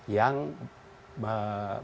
yang berasal dari